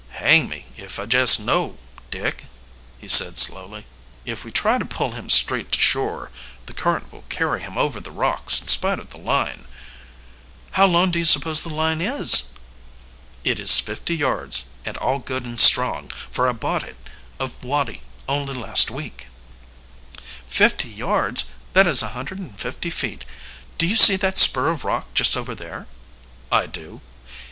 "Hang me if I jess know, Dick," he said slowly. "If we try to pull him straight to shore the current will carry him over the rocks in spite of the line." "How long do you suppose the line is?" "It is fifty yards, and all good and strong, for I bought it of Woddie only last week." "Fifty yards that is a hundred and fifty feet. Do you see that spur of rock just above there?" "I do."